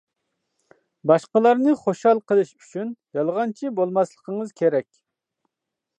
باشقىلارنى خۇشال قىلىش ئۈچۈن يالغانچى بولماسلىقىڭىز كېرەك.